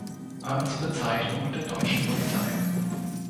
Amtsbezeichnungen der deutschen Polizei